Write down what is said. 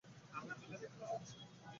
কি বলতে চাচ্ছো?